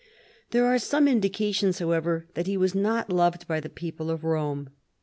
There are some indications, however, that he was not loved by the people of Rome.